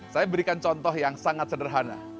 saya berikan contoh yang sangat sederhana